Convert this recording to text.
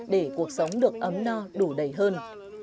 để cuộc sống được ấm no đủ đầy hơn